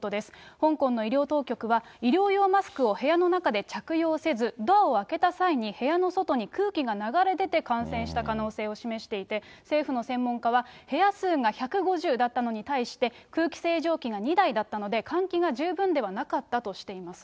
香港の医療当局は、医療用マスクを部屋の中で着用せず、ドアを開けた際に部屋の外に空気が流れ出て、感染した可能性を示していて、政府の専門家は、部屋数が１５０だったのに対して、空気清浄機が２台だったので、換気が十分ではなかったとしています。